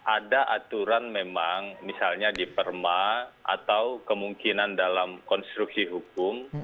ada aturan memang misalnya di perma atau kemungkinan dalam konstruksi hukum